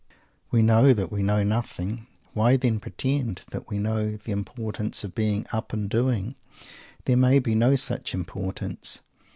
We know that we know nothing. Why, then, pretend that we know the importance of being "up and doing"? There may be no such importance.